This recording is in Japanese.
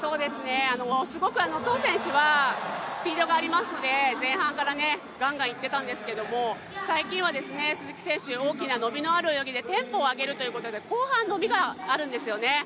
すごく唐選手はスピードがありますので前半からガンガン行ってたんですけれども最近は鈴木選手、大きな伸びのある泳ぎでテンポを上げるということで後半伸びがあるんですよね。